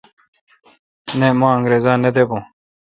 نہ مہ انگرزا نہ دے بھو۔